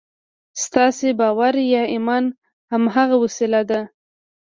ستاسې باور یا ایمان هماغه وسیله ده